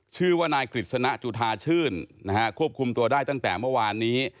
ชื่อว่านายกฤษณะจุธาชื่นนะฮะควบคุมตัวได้ตั้งแต่เมื่อวานนี้